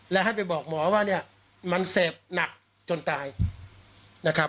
และให้ไปบอกหมอว่าเนี่ยมันเสพหนักจนตายนะครับ